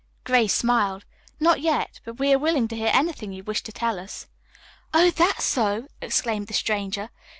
Grace smiled. "Not yet, but we are willing to hear anything you wish to tell us." "Oh, that's so!" exclaimed the stranger.